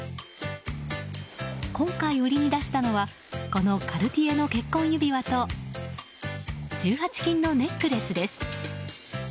今回、売りに出したのはこのカルティエの結婚指輪と１８金のネックレスです。